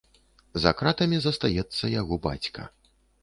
За кратамі застаецца яго бацька.